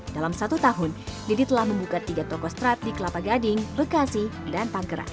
dalam satu tahun didi telah membuka tiga toko strat di kelapa gading bekasi dan tanggerang